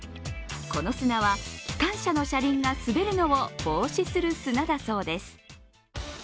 この砂は機関車の車輪が滑るのを防止する砂だそうです。